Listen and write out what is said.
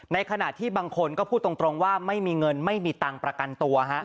ในขณะที่บางคนก็พูดตรงว่าไม่มีเงินไม่มีตังค์ประกันตัว